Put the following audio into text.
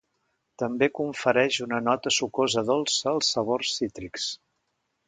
També confereix una nota sucosa dolça als sabors cítrics.